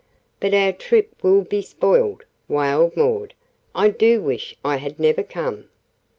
"But our trip will be spoiled," wailed Maud. "I do wish I had never come."